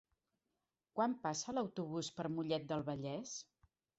Quan passa l'autobús per Mollet del Vallès?